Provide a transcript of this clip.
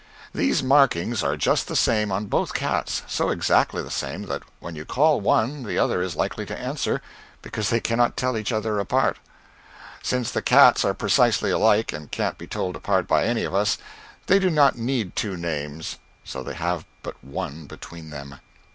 These markings are just the same on both cats so exactly the same that when you call one the other is likely to answer, because they cannot tell each other apart. Since the cats are precisely alike, and can't be told apart by any of us, they do not need two names, so they have but one between them.